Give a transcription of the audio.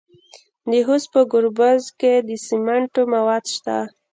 د خوست په ګربز کې د سمنټو مواد شته.